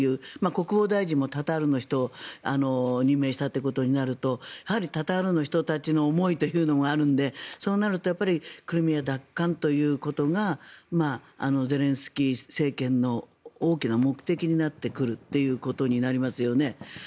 国防大臣もタタールの人を任命したということになるとタタールの人たちの思いというのがあるのでそうなるとクリミア奪還ということがゼレンスキー政権の大きな目的になってくるということになりますよね。